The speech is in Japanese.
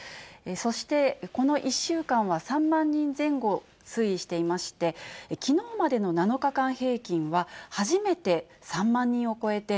そして、この１週間は３万人前後推移していまして、きのうまでの７日間平均は、初めて３万人を超えて、